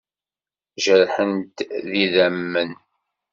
Jerḥent d idammen.